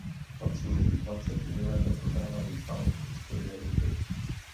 Patří mezi dvacet nejlépe prodávaných alb historie hudby.